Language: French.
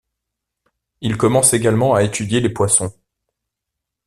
Il commence également à étudier les poissons.